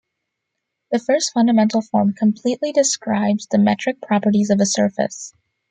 The first fundamental form completely describes the metric properties of a surface.